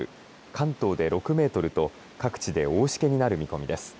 関東で６メートルと各地で大しけになる見込みです。